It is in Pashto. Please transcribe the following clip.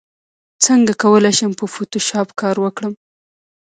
څنګه کولی شم په فوټوشاپ کار وکړم